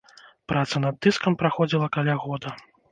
Праца над дыскам праходзіла каля года.